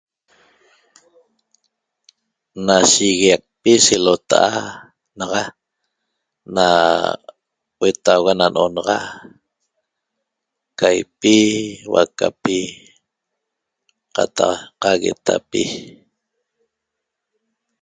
Na shiguiacpi selota'a naxa na huetauga na no'onaxa caipi, huaacapi qataq qaguetapi